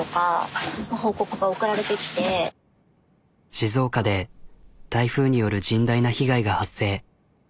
静岡で台風による甚大な被害が発生。